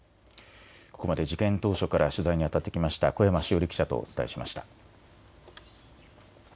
ここまで事件当初から取材にあたってきた小山志央理記者とお伝えしました。